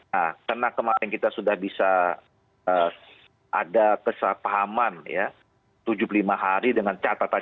nah karena kemarin kita sudah bisa ada kesapahaman ya tujuh puluh lima hari dengan catatan